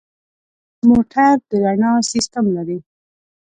موټر د رڼا سیستم لري.